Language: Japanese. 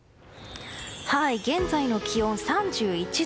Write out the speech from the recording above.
現在の気温、３１度。